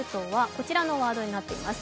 こちらのワードになっています。